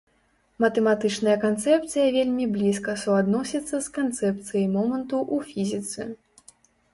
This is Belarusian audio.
Матэматычная канцэпцыя вельмі блізка суадносіцца з канцэпцыяй моманту ў фізіцы.